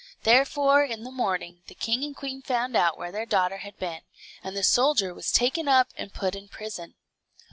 Therefore in the morning the king and queen found out where their daughter had been, and the soldier was taken up and put in prison.